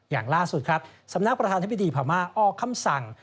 อย่างล่าสุดครับสำนักประธานธิบดีพม่าออกคำสั่ง